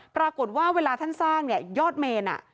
ปรากฏว่าเวลาท่านสร้างเนี่ยยอดเมนอะ